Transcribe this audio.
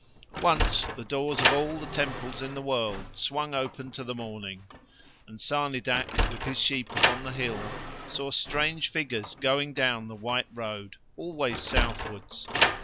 Once the doors of all the temples in the world swung open to the morning, and Sarnidac with his sheep upon the hill saw strange figures going down the white road, always southwards.